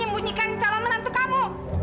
jangan calon menantu kamu